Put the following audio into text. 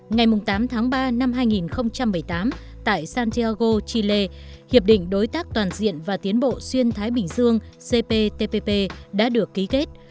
ngày tám tháng ba năm hai nghìn một mươi tám tại santiago chile hiệp định đối tác toàn diện và tiến bộ xuyên thái bình dương cptpp đã được ký kết